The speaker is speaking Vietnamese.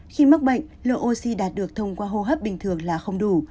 khi mắc bệnh lượng oxy đạt được thông qua hô hấp bình thường là không đủ